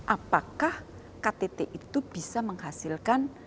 apakah ktt itu bisa menghasilkan